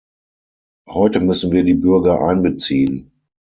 Heute müssen wir die Bürger einbeziehen.